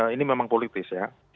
ini memang politis ya